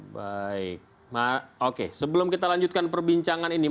baik oke sebelum kita lanjutkan perbincangan ini